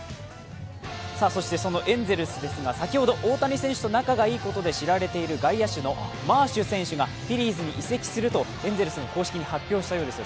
そしてそのエンゼルスですが、先ほど、大谷選手と仲がいいことで知られる外野手のマーシュ選手がフィリーズに移籍するとエンゼルスの公式に発表したそうです。